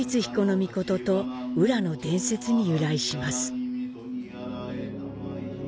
命と温羅の伝説に由来します。